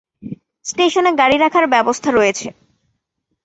স্টেশনে গাড়ি রাখার ব্যবস্থা রয়েছে।